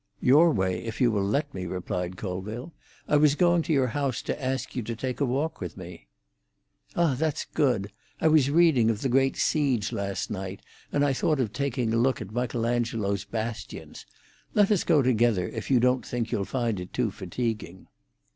"Your way, if you will let me," replied Colville. "I was going to your house to ask you to take a walk with me." "Ah, that's good. I was reading of the great siege last night, and I thought of taking a look at Michelangelo's bastions. Let us go together, if you don't think you'll find it too fatiguing."